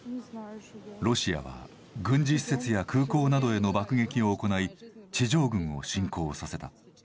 ロシアは、軍事施設や空港などへの爆撃を行い地上軍を侵攻させた。